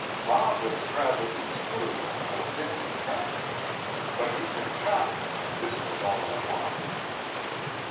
"Bob was rather inscrutable and didn't attract me, but he could chop and this was all I wanted."